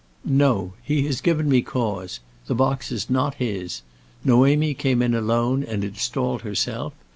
"No, he has given me cause. The box is not his. Noémie came in alone and installed herself.